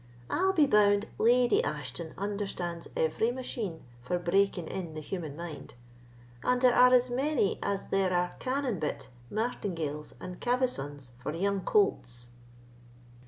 I'll be bound, Lady Ashton understands every machine for breaking in the human mind, and there are as many as there are cannon bit, martingales, and cavessons for young colts."